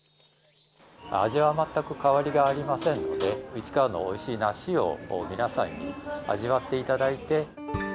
味は全く変わりがありませんので、市川のおいしい梨を、皆さんに味わっていただいて。